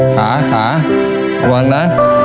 ขาขาระวังนะ